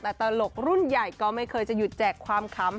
แต่ตลกรุ่นใหญ่ก็ไม่เคยจะหยุดแจกความขำ